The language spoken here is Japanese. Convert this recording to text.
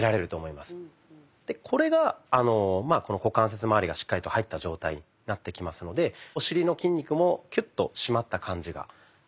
これが股関節まわりがしっかりと入った状態になってきますのでお尻の筋肉もキュッと締まった感じがあります。